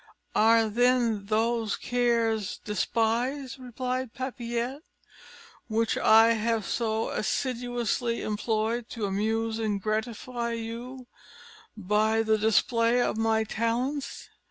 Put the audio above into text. "Are then those cares despised," replied Papillette, "which I have so assiduously employed to amuse and gratify you by the display of my talents?"